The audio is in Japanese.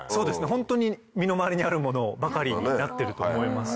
ホントに身の回りにあるものばかりになってると思います。